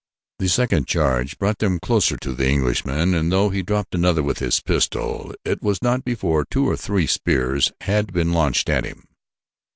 The second charge brought them closer to the Englishman, and though he dropped another with his pistol, it was not before two or three spears had been launched at him.